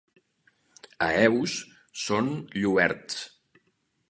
A Eus són Lluerts.